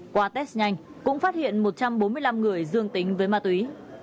qua test nhanh cũng phát hiện một trăm bốn mươi năm người dương tính với ma túy